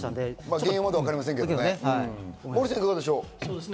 原因はまだわかりませんけどね。